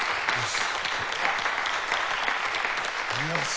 よし。